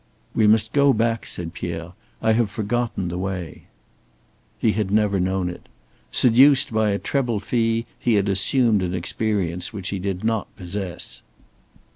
"We must go back," said Pierre. "I have forgotten the way." He had never known it. Seduced by a treble fee, he had assumed an experience which he did not possess.